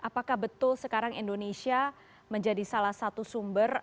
apakah betul sekarang indonesia menjadi salah satu sumber